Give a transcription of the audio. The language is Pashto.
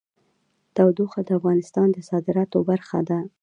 تودوخه د افغانستان د صادراتو برخه ده.